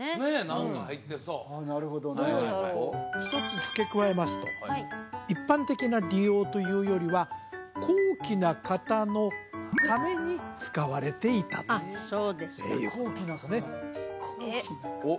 何か入ってそうああなるほどね一つ付け加えますと一般的な利用というよりは高貴な方のために使われていたとあっそうですか高貴な方えっ？